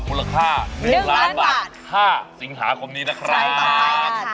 มูลค่า๑ล้านบาท๕สิงหาคมนี้นะครับ